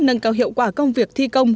nâng cao hiệu quả công việc thi công